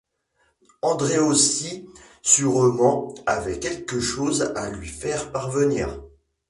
Andréossy sûrement avait quelque chose à lui faire parvenir.